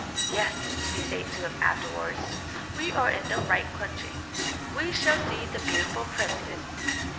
"Yes," he said to him afterwards, "we are in the right country. We shall see the beautiful princess."